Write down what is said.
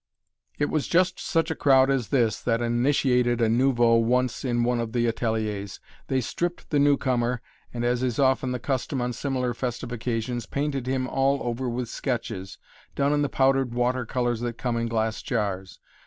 It was just such a crowd as this that initiated a "nouveau" once in one of the ateliers. They stripped the new comer, and, as is often the custom on similar festive occasions, painted him all over with sketches, done in the powdered water colors that come in glass jars.